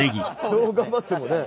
どう頑張ってもね。